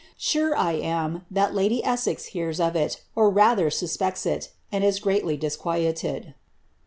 Sure I am that lady Essex hears of it, or rather, suspects it, and is greedy disquieted."